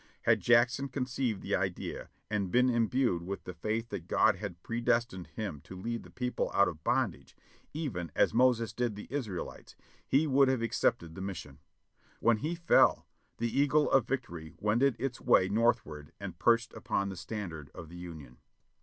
Had Jack son conceived the idea, and been imbued with the faith that God had predestined him to lead the people out of bondage, even as Moses did the Israelites, he would have accepted the mission. ^^l^en he fell the Eagle of Victory wended its way Northward and perched on the standard of the Union.